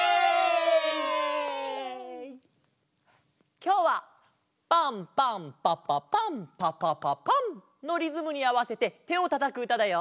きょうはパンパンパパパンパパパパンのリズムにあわせててをたたくうただよ！